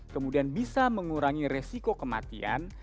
kemudian bisa mengurangi resiko kematian